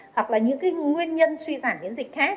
hoặc là những cái nguyên nhân suy giảm miễn dịch khác